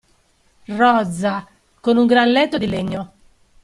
Rozza, con un gran letto di legno.